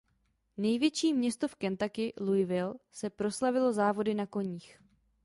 Největší město v Kentucky Louisville se proslavilo závody na koních.